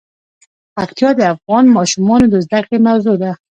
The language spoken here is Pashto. پکتیا د افغان ماشومانو د زده کړې موضوع ده.